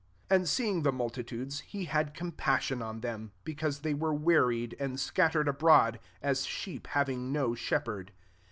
36 And seeing the multi tudes, he had compassion on them, because they were wea ried, and scattered abroad, as sheep having no shepherd.